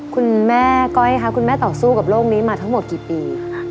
คุณแม่ก้อยคะคุณแม่ต่อสู้กับโรคนี้มาทั้งหมดกี่ปี